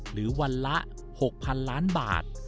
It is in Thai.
หรือวันละ๖๐๐๐ล้านบาท